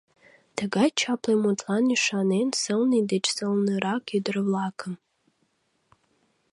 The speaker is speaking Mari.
Тыгай чапле мутлан ӱшанен Сылне деч сылнырак ӱдыр-влакым